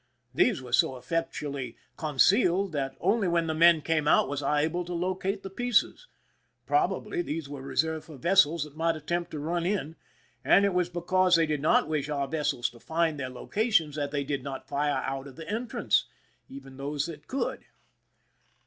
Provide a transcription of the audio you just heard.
These were so effectually concealed that only when the men came out was I able to locate the pieces. Probably these were reserved for vessels that might attempt to run in, and it was because they did not wish our vessels to find their locations that they did not fire out of the entrance—even those that could.